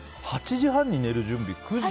８時半に寝る準備９時。